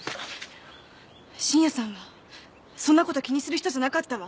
信也さんはそんなこと気にする人じゃなかったわ。